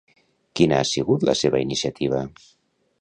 Quina ha sigut la seva iniciativa?